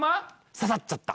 刺さっちゃった。